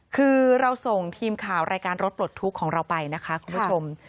คือเราส่งทีมข่าวรายการรถปลดทุกข์ของเราไปนะคะคุณผู้ชม